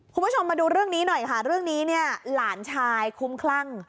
คุณผู้ชมมาดูเรื่องนี้หน่อยค่ะเรื่องนี้เนี่ยหลานชายคุ้มคลั่ง